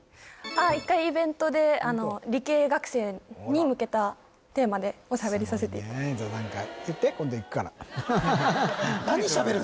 はい１回イベントで理系学生に向けたテーマでおしゃべりさせてすごいね座談会